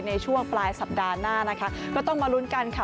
ในช่วงปลายสัปดาห์หน้านะคะก็ต้องมาลุ้นกันค่ะ